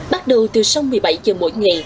bắt đầu từ sau một mươi bảy h mỗi ngày